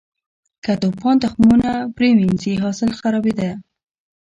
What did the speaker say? که توپان تخمونه پرې منځي، حاصل خرابېده.